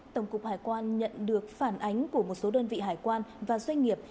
tổng cục hải quan nhận được phản ánh của một số đơn vị hải quan và doanh nghiệp